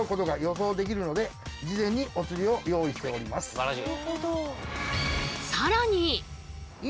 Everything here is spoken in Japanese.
すばらしい。